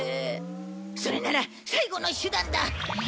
それなら最後の手段だ！